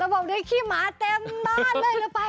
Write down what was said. เราบอกได้ขี้หมาเต็มมากเลย